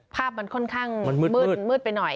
ภาพมันค่อนข้างมืดไปหน่อย